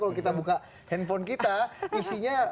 kalau kita buka handphone kita isinya